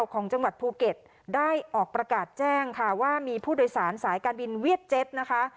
ของจังหวัดภูเก็ตได้ออกประกาศแจ้งค่ะว่ามีผู้โดยสารสายการบินเวียดเจ็ตนะคะ